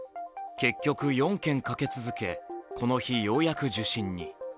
結局、４件かけ続け、この日ようやく受診に。